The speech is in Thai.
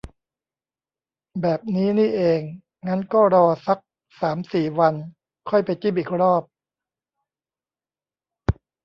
แบบนี้นี่เอง งั้นก็รอซักสามสี่วันค่อยไปจิ้มอีกรอบ